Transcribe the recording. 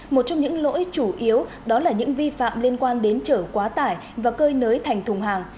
một trong những lỗi chủ yếu đó là những vi phạm liên quan đến chở quá tải và cơi nới thành thùng hàng